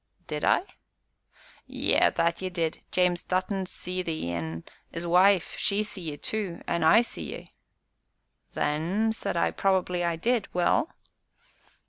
"Did I?" "Ay, that ye did James Dutton see ye, an' 'is wife, she see ye tu, and I see ye." "Then," said I, "probably I did. Well?"